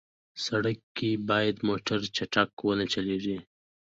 سړک کې باید موټر چټک ونه چلېږي.